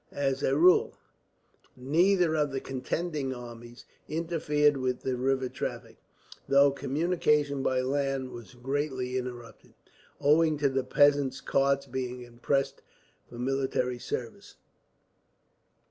As a rule, neither of the contending armies interfered with the river traffic; though communications by land were greatly interrupted, owing to the peasants' carts being impressed for military service.